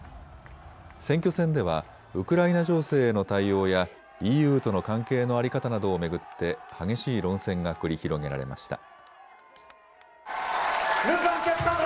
選挙戦では、ウクライナ情勢への対応や、ＥＵとの関係の在り方などを巡って、激しい論戦が繰り広げられました。